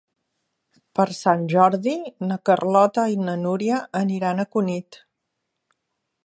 Per Sant Jordi na Carlota i na Núria aniran a Cunit.